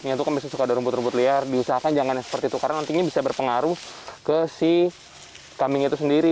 yang itu kan biasanya suka ada rumput rumput liar diusahakan jangan seperti itu karena nantinya bisa berpengaruh ke si kambing itu sendiri